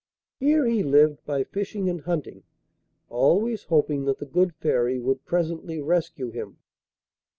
Here he lived by fishing and hunting, always hoping that the good Fairy would presently rescue him.